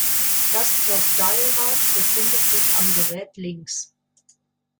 Das Jog-dial-Rad befindet sich am Gerät links.